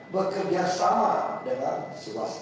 bekerjasama dengan swasta